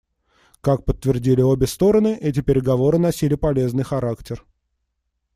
Как подтвердили обе стороны, эти переговоры носили полезный характер.